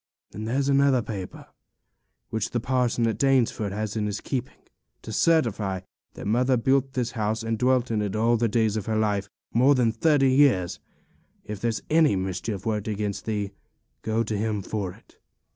And there's another paper, which the parson at Danesford has in his keeping, to certify that mother built this house and dwelt in it all the days of her life, more than thirty years; if there's any mischief worked against thee, go to him for it.